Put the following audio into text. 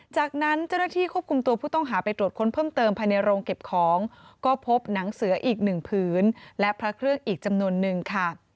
จากนั้นเจ้าหน้าที่ควบคุมตัวผู้ต้องหาไปตรวจค้นเพิ่มเติมภายในโรงเก็บของก็พบหนังเสืออีกหนึ่งผืนและพระเครื่องอีกจำนวนนึงค่ะ